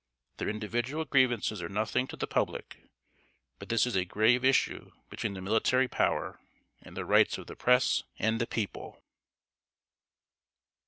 Their individual grievances are nothing to the public; but this is a grave issue between the Military Power and the rights of the Press and the People.